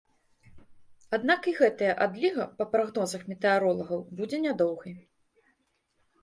Аднак і гэтая адліга, па прагнозах метэаролагаў будзе нядоўгай.